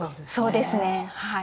そうですねはい。